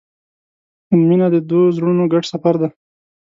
• مینه د دوو زړونو ګډ سفر دی.